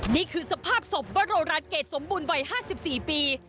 นี่คือสภาพศพวโรรัสเกรดสมบูรณ์วัย๕๔ปี